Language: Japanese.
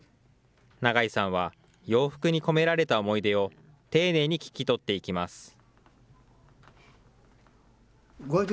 永井さんは、洋服に込められた思い出を、丁寧に聞き取っていきます。